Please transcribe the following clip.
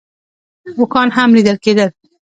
اوښان هم لیدل کېدل.